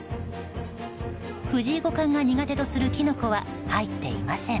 藤井五冠が苦手とするキノコは入っていません。